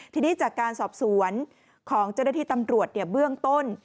ทีนี้จากการสอบสวนของเจ้าหน้าที่ตำรวจเบื้องต้น